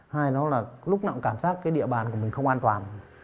hai nó là lúc nào cũng cảm giác cái địa bàn của mình không an toàn